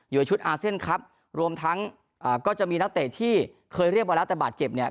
ชุดอาเซียนครับรวมทั้งอ่าก็จะมีนักเตะที่เคยเรียกมาแล้วแต่บาดเจ็บเนี่ย